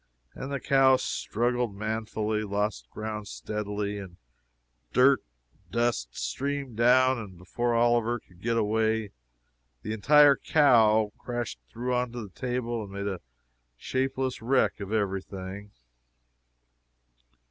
and the cow struggled manfully lost ground steadily dirt and dust streamed down, and before Oliver could get well away, the entire cow crashed through on to the table and made a shapeless wreck of every thing!